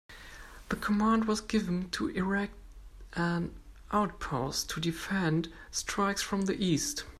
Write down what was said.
The command was given to erect an outpost to defend strikes from the east.